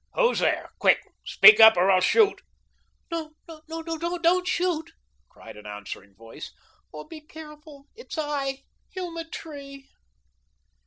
"Who's there? Quick, speak up or I'll shoot." "No, no, no, don't shoot," cried an answering voice. "Oh, be careful. It's I Hilma Tree."